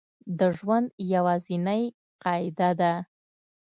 د ژوند یوازینۍ قاعده ده